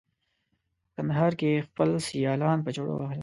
په کندهار کې یې خپل سیالان په چړو وهل.